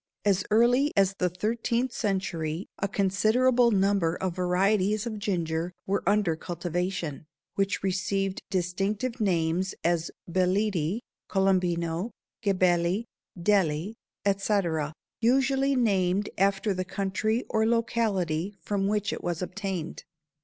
As early as the thirteenth century a considerable number of varieties of ginger were under cultivation, which received distinctive names as Beledi, Colombino, Gebeli, Deli, etc., usually named after the country or locality from which it was obtained.